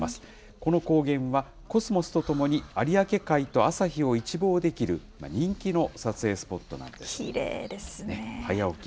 この高原はコスモスとともに、有明海と朝日を一望できる人気の撮きれいですね。